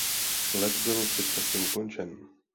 Let byl předčasně ukončen.